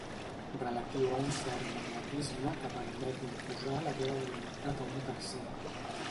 Relatiu a un cert magnetisme que permet imposar la teva voluntat a un tercer.